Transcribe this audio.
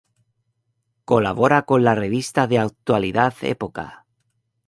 Colabora con la revista de actualidad "Época".